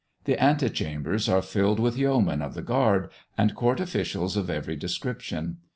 The anti chambers are filled with yeomen of the guard, and court officials of every description.